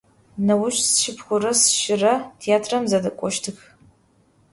Nêuş sşşıpxhure sşşıre têatram zedek'oştıx.